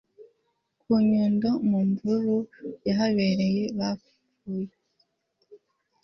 ku nyundo mu mvururu yahabereye bapfuye